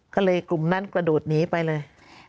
ก็เลยกลุ่มนั้นกระโดดหนีไปเลย